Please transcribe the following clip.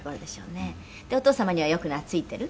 黒柳：お父様にはよく懐いてる？